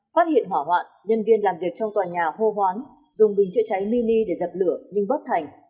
phát hiện hỏa hoạn nhân viên làm việc trong tòa nhà hô hoán dùng bình chữa cháy mini để dập lửa nhưng bất thành